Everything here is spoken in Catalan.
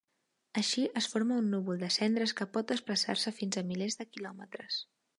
Així es forma un núvol de cendres que pot desplaçar-se fins a milers de quilòmetres.